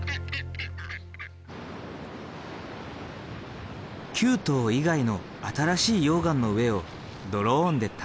旧島以外の新しい溶岩の上をドローンで探索。